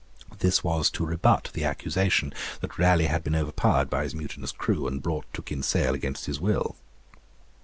This was to rebut the accusation that Raleigh had been overpowered by his mutinous crew, and brought to Kinsale against his will.